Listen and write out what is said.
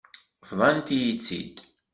Bḍant-iyi-tt-id.